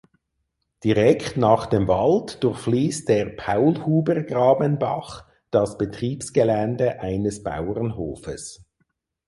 Direkt nach dem Wald durchfließt der Paulhubergrabenbach das Betriebsgelände eines Bauernhofes.